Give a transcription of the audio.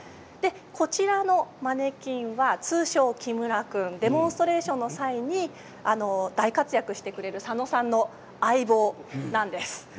こちらのマネキンは通称、木村くんデモンストレーションの際に大活躍をしてくれる佐野さんの相棒です。